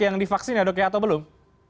yang divaksin ya dok ya atau belum